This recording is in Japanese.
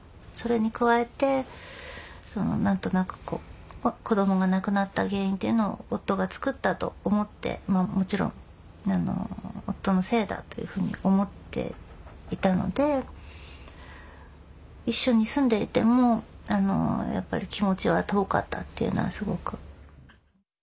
それに加えて何となく子どもが亡くなった原因っていうのを夫が作ったと思ってもちろん夫のせいだというふうに思っていたので一緒に住んでいてもやっぱり気持ちは遠かったっていうのはすごく。